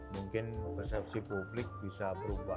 mungkin persepsi publik bisa berubah